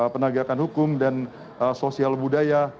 penegakan hukum dan sosial budaya